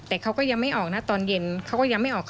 แต่เขาก็ยังไม่ออกนะตอนเย็นเขาก็ยังไม่ออก